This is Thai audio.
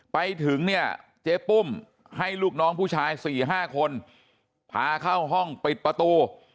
ไปถึงเนี่ยเจ๊ปุ้มให้ลูกน้องผู้ชาย๔๕คนพาเข้าห้องปิดประตู